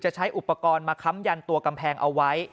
ใช้อุปกรณ์มาค้ำยันตัวกำแพงเอาไว้